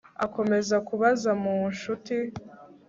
akomeza kubaza mu nshuti